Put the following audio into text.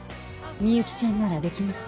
みゆきちゃんならできます